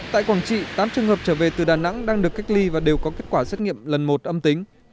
tại quảng trị tám trường hợp trở về từ đà nẵng đang được cách ly và đều có kết quả xét nghiệm lần một âm tính